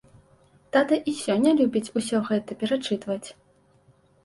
Тата і сёння любіць усё гэта перачытваць.